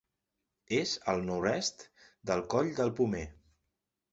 És al nord-est del Coll del Pomer.